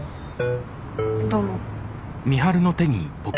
どうも。